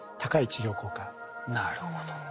なるほど。